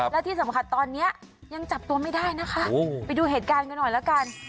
และที่สำคัญตอนนี้ยังจับตัวไม่ได้นะคะไปดูเหตุการณ์กันหน่อยละกัน